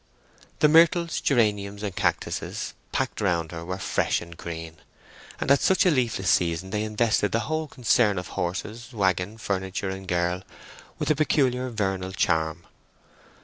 The myrtles, geraniums, and cactuses packed around her were fresh and green, and at such a leafless season they invested the whole concern of horses, waggon, furniture, and girl with a peculiar vernal charm.